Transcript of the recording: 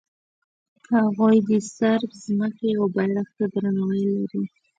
هغوی د صرب ځمکې او بیرغ ته درناوی لري.